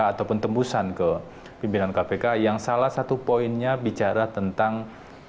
atau pentembusan ke pimpinan kpk yang salah satu poinnya bicara tentang tgpf